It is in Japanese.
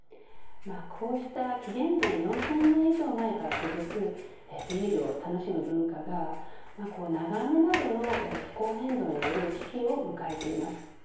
こうした紀元前４０００年以上前から続くビールを楽しむ文化が長雨などの気候変動による危機を迎えています。